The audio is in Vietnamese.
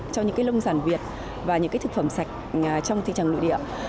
cho những cái lông sản việt và những cái thực phẩm sạch trong thị trường nội địa